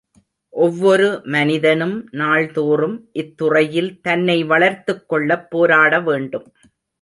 ஒவ்வொரு மனிதனும் நாள்தோறும் இத்துறையில் தன்னை வளர்த்துக்கொள்ளப் போராடவேண்டும்.